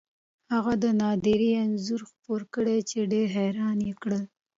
هغه نادره انځور خپور کړ چې ډېر حیران یې کړل.